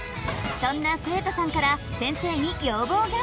そんな生徒さんから先生に要望が。